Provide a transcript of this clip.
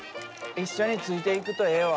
一緒についていくとええわ。